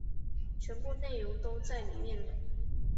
全部内容都在里面了